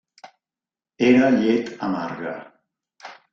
Era llet amarga.